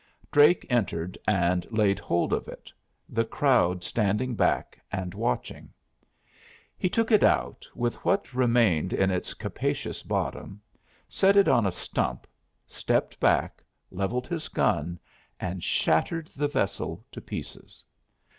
Drake entered and laid hold of it, the crowd standing back and watching. He took it out, with what remained in its capacious bottom, set it on a stump, stepped back, levelled his gun, and shattered the vessel to pieces.